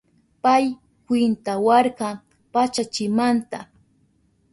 Pay kwintawarka pachachimanta